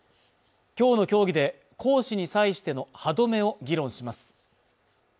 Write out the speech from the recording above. きょうの協議で行使に際しての歯止めを議論します